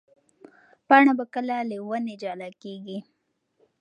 پاڼه به کله له ونې جلا کېږي؟